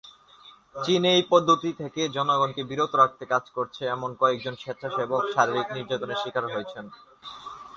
চীনে এই পদ্ধতি থেকে জনগণকে বিরত রাখতে কাজ করছে এমন কয়েকজন স্বেচ্ছাসেবক শারীরিক নির্যাতনের শিকার হয়েছেন।